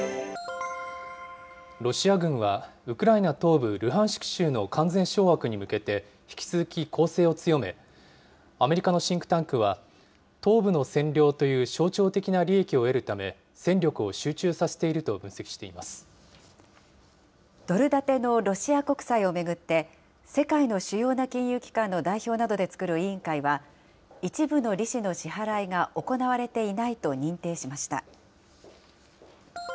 ロシア軍はウクライナ東部ルハンシク州の完全掌握に向けて、引き続き攻勢を強め、アメリカのシンクタンクは、東部の占領という象徴的な利益を得るため戦力を集中させているとドル建てのロシア国債を巡って、世界の主要な金融機関の代表などで作る委員会は、一部の利子の支払いが行われていないと認定しました。